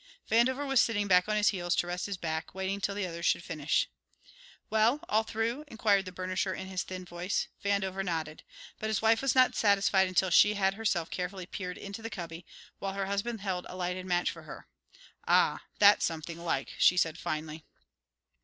Vandover was sitting back on his heels to rest his back, waiting till the others should finish. "Well, all through?" inquired the burnisher in his thin voice. Vandover nodded. But his wife was not satisfied until she had herself carefully peered into the cubby, while her husband held a lighted match for her. "Ah, that's something like," she said finally.